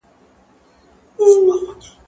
زه به سبا د کتابتوننۍ سره مرسته وکړم!!